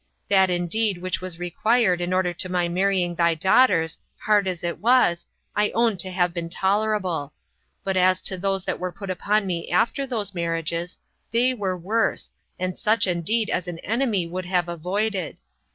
That indeed which was required in order to my marrying thy daughters, hard as it was, I own to have been tolerable; but as to those that were put upon me after those marriages, they were worse, and such indeed as an enemy would have avoided."